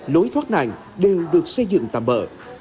lối thoát nạn đều được xây dựng tạm bỡ